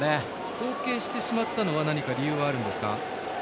後傾してしまったのは理由はあるんですか？